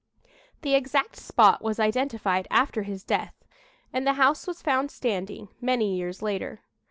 The exact spot was identified after his death, and the house was found standing many years later.